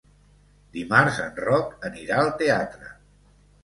Dimarts en Roc anirà al teatre.